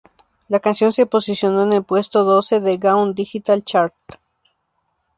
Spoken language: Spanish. La canción se posicionó en el puesto doce de Gaon Digital Chart.